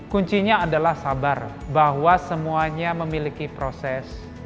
kuncinya adalah sabar bahwa semuanya memiliki proses